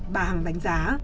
bà hằng đánh giá